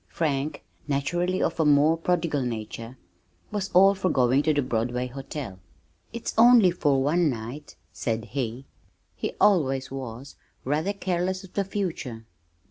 Frank, naturally of a more prodigal nature, was all for going to the Broadway Hotel. "It's only for one night," said he. He always was rather careless of the future!